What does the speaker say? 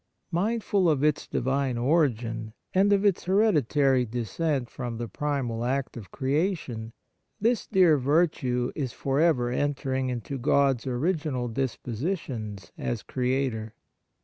Mindful of its Divine origin, and of its hereditary descent from the primal act of creation, this dear virtue is for ever enter ing into God's original dispositions as Creator.